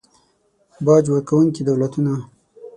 باج ورکونکي دولتونه